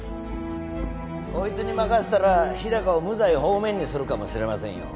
こいつに任せたら日高を無罪放免にするかもしれませんよ